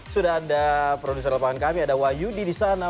sudah ada produser lepahan kami ada wahyudi disana